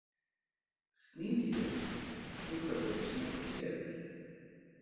Sneevliet took the position of chair.